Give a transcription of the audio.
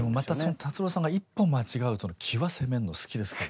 達郎さんが一歩間違うその際攻めるの好きですけどね。